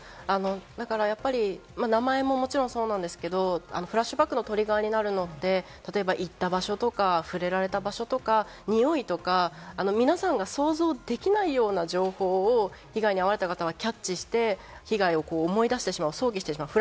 だからやっぱり名前ももちろんそうなんですけれども、フラッシュバックのトリガーになるのって、行った場所とか、触れられた場所とか、においとか、皆さんが想像できないような情報を、被害に遭われた方はキャッチして、被害を思い出したり、想起してしまう。